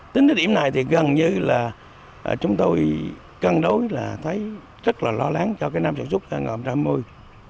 tính đến điểm này thì gần như là chúng tôi cân đối là thấy rất là lo lắng cho cái năm sản xuất ngọn trăm mươi